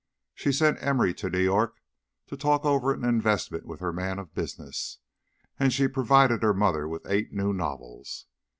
She sent Emory to New York to talk over an investment with her man of business, and she provided her mother with eight new novels.